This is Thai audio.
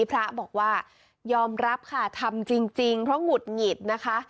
พระบอกว่ายอมรับค่ะทำจริงเพราะหงุดหงิดนะคะ